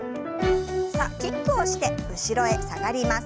さあキックをして後ろへ下がります。